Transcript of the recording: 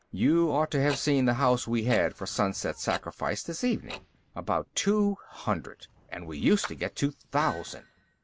You ought to have seen the house we had for Sunset Sacrifice, this evening! About two hundred, and we used to get two thousand.